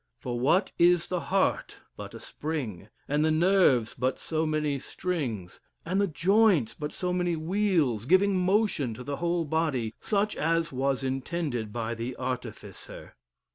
For what is the heart but a spring; and the nerves but so many strings; and the joints but so many wheels, giving motion to the whole body, such as was intended by the Artificer?